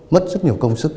mất rất nhiều công sức